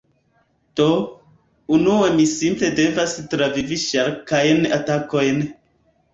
Do, unue mi simple devas travivi ŝarkajn atakojn.